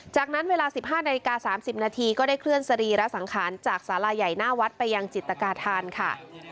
จากนั้นเวลา๑๕นาฬิกา๓๐นาทีก็ได้เคลื่อนสรีระสังขารจากสาลาใหญ่หน้าวัดไปยังจิตกาธานค่ะ